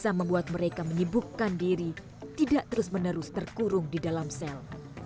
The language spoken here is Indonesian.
bisa membuat mereka menyibukkan diri tidak terus menerus terkurung di dalam sel